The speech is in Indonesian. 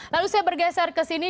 lalu saya bergeser ke sini